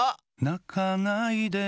「なかないで」